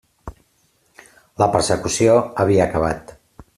La persecució havia acabat.